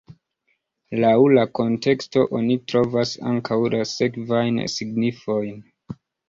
Laŭ la konteksto oni trovas ankaŭ la sekvajn signifojn.